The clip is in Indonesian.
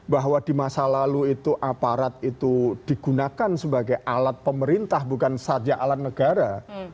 bahwa di masa lalu itu aparat itu digunakan sebagai alat pemerintah bukan saja alat negara